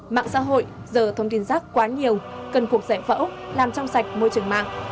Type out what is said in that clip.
mạng xã hội giờ thông tin rác quá nhiều cần cuộc giải phẫu làm trong sạch môi trường mạng